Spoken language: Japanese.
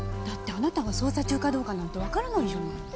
だってあなたが捜査中かどうかなんて分からないじゃない。